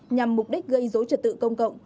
nhằm mục đích gây dối trật tự công cộng